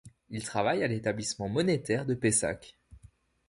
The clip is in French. Il travaille à l'établissement monétaire de Pessac.